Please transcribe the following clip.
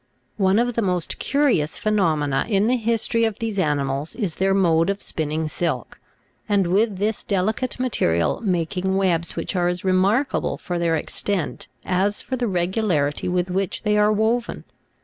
One of the most curious phenomena in the history of these animals is their mode of spinning silk, and with this delicate material making webs which are as remarkable for their extent as for the regularity with which they are woven.